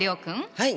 はい。